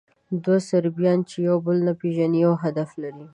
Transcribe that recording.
دوه صربیان، چې یو بل نه پېژني، یو هدف لري.